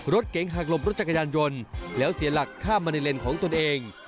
รถเก๋งหักหลบรถจักรยานยนต์แล้วเสียหลักข้ามมาในเลนของตนเอง